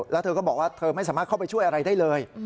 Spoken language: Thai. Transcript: แล้วเธอก็บอกว่าเธอไม่สามารถเข้าไปช่วยอะไรได้เลย